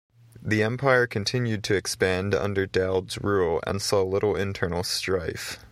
The Empire continued to expand under Daoud's rule, and saw little internal strife.